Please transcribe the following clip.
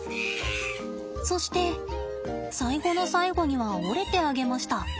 そして最後の最後には折れてあげました。